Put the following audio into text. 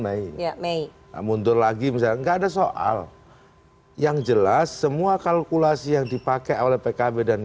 mei ya mei mundur lagi bisa enggak ada soal yang jelas semua kalkulasi yang dipakai oleh pkb dan